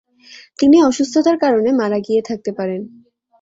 তিনি অসুস্থতার কারণে মারা গিয়ে থাকতে পারেন।